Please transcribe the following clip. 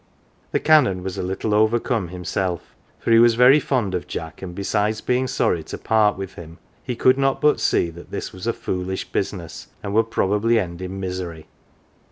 The Canon was a little overcome himself, for he was very fond of Jack, and besides being sorry to part with him, he could not but see that this was a foolish busi ness and would probably end in misery.